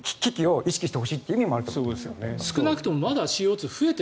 ですから危機を意識してほしいという思いもあると思います。